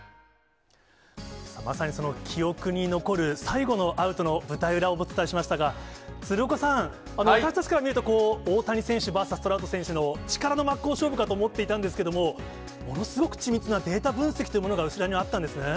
まさにその記憶に残る最後のアウトの舞台裏をお伝えしましたが、鶴岡さん、私たちから見ると、大谷選手バーサストラウト選手の力の真っ向勝負かと思っていたんですけれども、ものすごく緻密なデータ分析というのが、後ろにあったんですね。